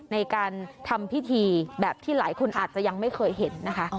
ในการทำพิธีแบบที่หลายคนอาจจะยังไม่เคยเห็นนะคะ